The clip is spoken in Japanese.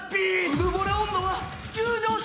うぬぼれ温度は急上昇！